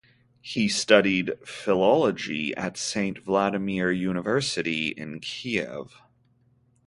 He studied philology at Saint Vladimir University in Kiev.